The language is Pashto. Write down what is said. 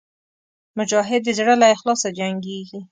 مجاهد د زړه له اخلاصه جنګېږي.